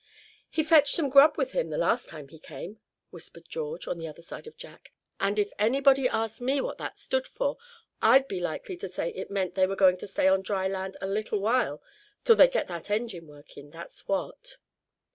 "He fetched some grub with him the last time he came!" whispered George, on the other side of Jack, "and if anybody asked me what that stood for I'd be likely to say it meant they were going to stay on dry land a little while, till they get that engine working that's what."